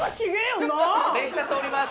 電車通ります。